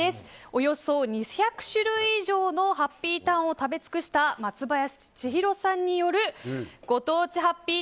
およそ２００種類以上のハッピーターンを食べ尽くした松林千宏さんによるご当地ハッピー